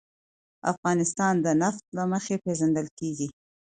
افغانستان د نفت له مخې پېژندل کېږي.